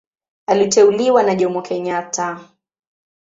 Aliteuliwa na Jomo Kenyatta.